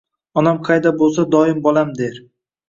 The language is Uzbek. Onam qayda bulsa doim bolam der